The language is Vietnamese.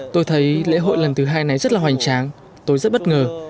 tôi thấy lễ hội lần thứ hai này rất là hoành tráng tôi rất bất ngờ